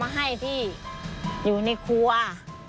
อันดับสุดท้าย